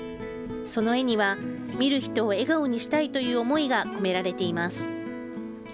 その絵には、見る人を笑顔にしたいという思いが込められています。